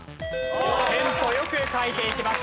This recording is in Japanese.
テンポ良く書いていきました。